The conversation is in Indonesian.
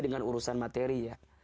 dengan urusan materi